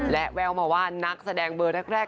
และแววมาว่านักแสดงเบอร์แรก